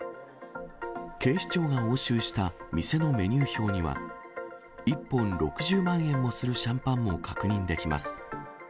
警視庁が押収した店のメニュー表には、１本６０万円もするシャンパンも確認できます。